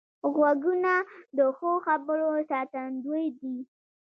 غوږونه د ښو خبرو ساتندوی دي